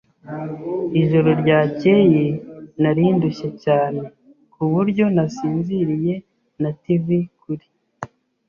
Ijoro ryakeye, nari ndushye cyane ku buryo nasinziriye na TV kuri.